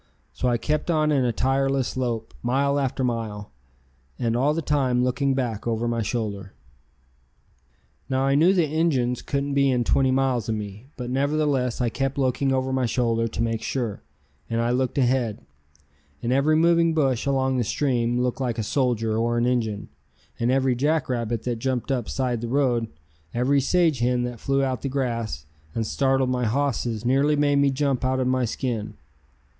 So I kept on in a tireless lope, mile after mile, and all the time looking back over my shoulder. [Illustration: "Looking Over My Shoulder."] Now I knew the Injuns couldn't be in twenty miles of me, but nevertheless I kept looking over my shoulder to make sure, and I looked ahead, and every moving bush along the stream looked like a soldier or an Injun, and every jackrabbit that jumped up side the road, every sage hen that flew out the grass and startled my hosses nearly made me jump out of my skin.